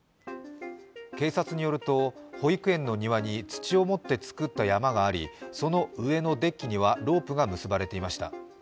警察によると、保育園の庭に土を盛って作った山がありその上のデッキにはロープが結ばれていました。